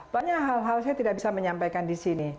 banyak hal hal saya tidak bisa menyampaikan di sini